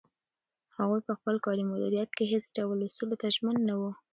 هغوی په خپل کاري مدیریت کې هیڅ ډول اصولو ته ژمن نه وو.